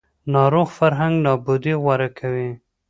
ناروغ فرهنګ نابودي غوره کوي